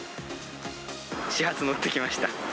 始発乗ってきました。